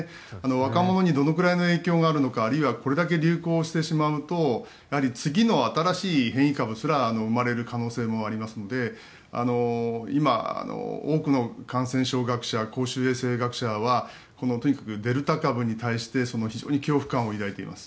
若者にどのくらいの影響があるのかあるいはこれくらい流行してしまうとやはり次の新しい変異株すら生まれる可能性もありますので今、多くの感染症学者公衆衛生学者はとにかくデルタ株に対して非常に恐怖感を抱いています。